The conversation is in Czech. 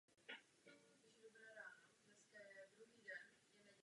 Má protáhlý tvar.